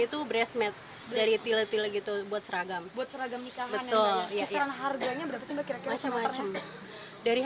itu breastmate dari tile tile gitu buat seragam buat seragam nikah betul ya harganya berapa sih